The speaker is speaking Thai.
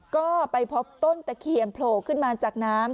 ก็ไปพบต้นตะเคียนโผล่ขึ้นมาจากน้ำ